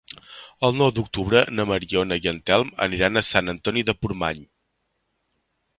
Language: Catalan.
El nou d'octubre na Mariona i en Telm aniran a Sant Antoni de Portmany.